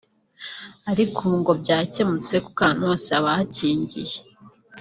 ariko kuri ubu ngo byakemutse kuko ahantu hose haba hakingiye